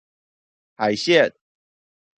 海線